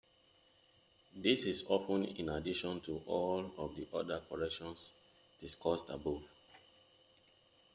This is often in addition to all of the other corrections discussed above.